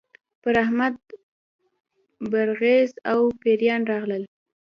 پر احمد پرغز او پېریان راغلل.